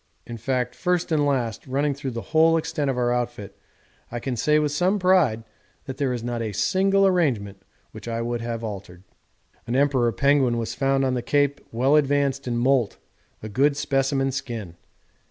In fact first and last, running through the whole extent of our outfit, I can say with some pride that there is not a single arrangement which I would have had altered.' An Emperor penguin was found on the Cape well advanced in moult, a good specimen skin.